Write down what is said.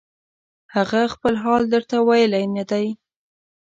هغه خپل حال درته ویلی نه دی